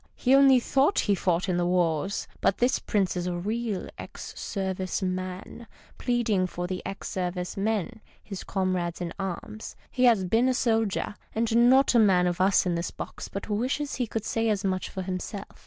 He only thought he fought in the wars ; but this Prince is a real cx Service man, 14 MR. SHAKESPEARE DISORDERLY pleading for the cx Service men, his comrades in arms. He has been a soldier, and not a man of us in this box but wishes he could say as much for himself.